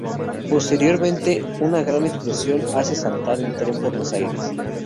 Posteriormente una gran explosión hace saltar el tren por los aires.